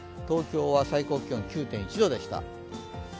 東京は最高気温９．１度でした。